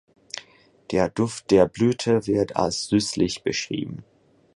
Der Duft der Blüte wird als "süßlich" beschrieben.